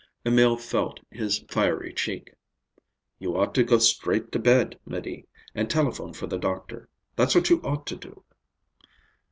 Emil felt his fiery cheek. "You ought to go straight to bed, 'Médée, and telephone for the doctor; that's what you ought to do."